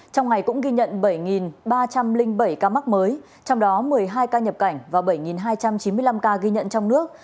trong ngày cũng ghi nhận bảy ba trăm linh bảy ca mắc mới trong đó một mươi hai ca nhập cảnh và bảy hai trăm chín mươi năm ca ghi nhận trong nước